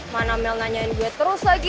mana mel nanyain gue terus lagi